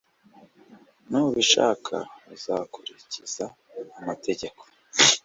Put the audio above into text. nubishaka, uzakurikiza amategeko